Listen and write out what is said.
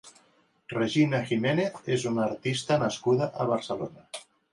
Regina Giménez és una artista nascuda a Barcelona.